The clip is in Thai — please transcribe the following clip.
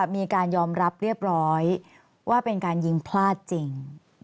มีการยอมรับเรียบร้อยว่าเป็นการยิงพลาดจริง